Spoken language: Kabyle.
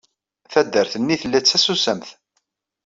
Taddart-nni tella d tasusamt.